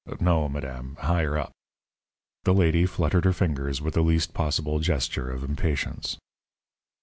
"No, madame; higher up." The lady fluttered her fingers with the least possible gesture of impatience.